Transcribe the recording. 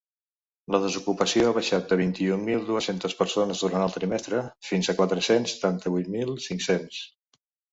La desocupació ha baixat de vint-i-un mil dues-centes persones durant el trimestre, fins a quatre-cents setanta-vuit mil cinc-cents.